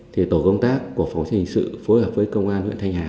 thì tổ công tác của phòng trình sự phối hợp với công an huyện thanh hà